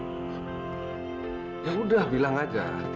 ya udah bilang aja